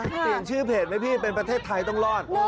เปลี่ยนชื่อเพจไหมพี่เป็นประเทศไทยต้องรอด